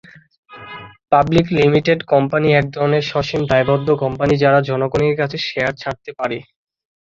Public limited company একধরনের সসীম দায়বদ্ধ কোম্পানি যারা জনগনের কাছে শেয়ার ছাড়তে পারে।